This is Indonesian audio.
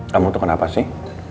kamu tuh kenapa sih